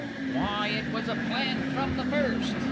"Why, it was a plant from the first.